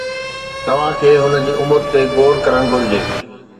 توهان کي هن جي عمر تي غور ڪرڻ گهرجي